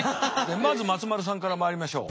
まず松丸さんからまいりましょう。